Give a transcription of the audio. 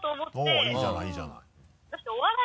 おぉいいじゃないいいじゃない。